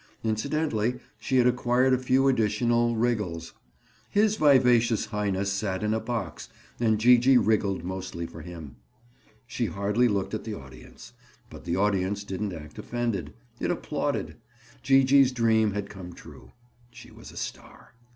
Incidentally, she had acquired a few additional wriggles. His Vivacious Highness sat in a box and Gee gee wriggled mostly for him. She hardly looked at the audience, but the audience didn't act offended. It applauded. Gee gee's dream had come true. She was a star.